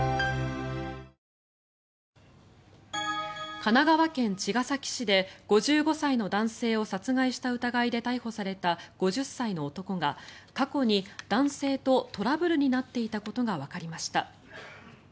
神奈川県茅ヶ崎市で５５歳の男性を殺害した疑いで逮捕された５０歳の男が過去に男性とトラブルになっていたことがわかりました。